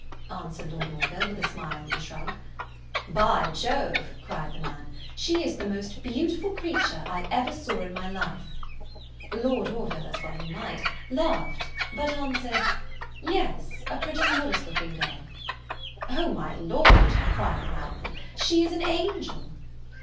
answered Lord Orville with a smile and a shrug. "By Jove," cried the man, "she is the most beautiful creature I ever saw in my life!" Lord Orville, as he well might, laughed; but answered, "Yes, a pretty modest looking girl." "O my Lord!" cried the madman, "she is an angel!"